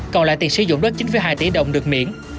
còn lại tiền sử dụng đất chín hai tỷ đồng được miễn